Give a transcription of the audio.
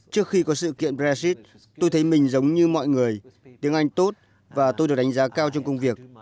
trước khi có sự kiện brexit tôi thấy mình giống như mọi người tiếng anh tốt và tôi được đánh giá cao trong công việc